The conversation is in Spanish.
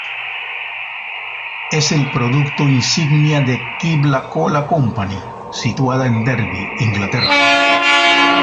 Es el producto insignia de Qibla Cola Company, situada en Derby, Inglaterra.